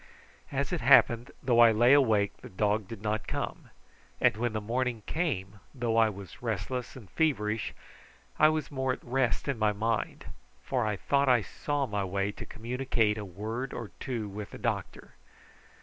As it happened, though I lay awake the dog did not come, and when the morning came, although I was restless and feverish I was more at rest in my mind, for I thought I saw my way to communicate a word or two with the doctor.